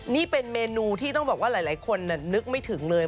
นี่เป็นเมนูที่ต้องบอกว่าหลายคนนึกไม่ถึงเลย